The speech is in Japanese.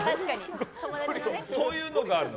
そういうのがあるの。